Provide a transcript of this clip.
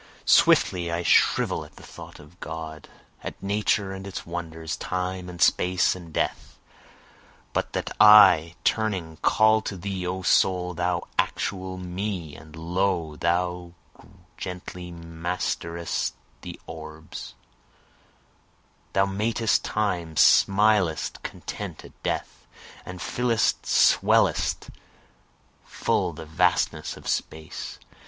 Swiftly I shrivel at the thought of God, At Nature and its wonders, Time and Space and Death, But that I, turning, call to thee O soul, thou actual Me, And lo, thou gently masterest the orbs, Thou matest Time, smilest content at Death, And fillest, swellest full the vastnesses of Space.